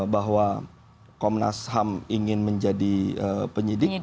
bahwa komnas ham ingin menjadi penyidik